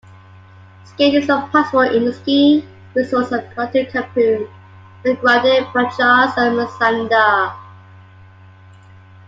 Skiing is possible in the ski resorts of Alto Campoo, Valgrande-Pajares and Manzaneda.